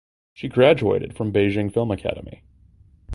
She graduated from Beijing Film Academy.